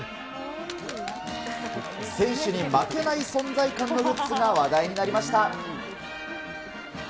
選手に負けない存在感のグッズが話題になりました。